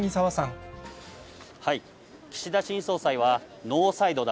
岸田新総裁はノーサイドだ。